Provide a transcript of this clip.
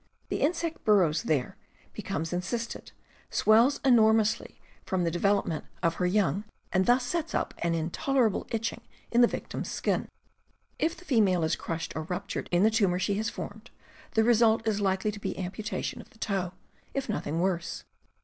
The insect burrows there, becomes encysted, swells enormously from the development 174 CAMPING AND WOODCRAFT of her young, and thus sets up an intolerable itching in the victim's skin. If the female is crushed or ruptured in the tumor she has formed, the result is likely to be amputation of the toe, if nothing worse.